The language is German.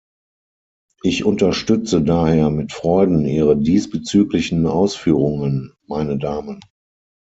Ich unterstütze daher mit Freuden Ihre diesbezüglichen Ausführungen, meine Damen.